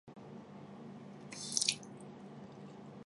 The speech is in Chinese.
尾张国城主。